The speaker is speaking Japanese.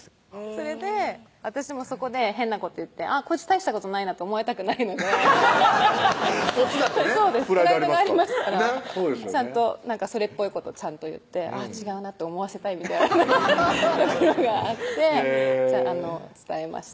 それで私もそこで変なこと言ってこいつ大したことないなって思われたくないのでこっちだってねプライドありますからちゃんとそれっぽいことちゃんと言って違うなって思わせたいみたいなところがあって伝えました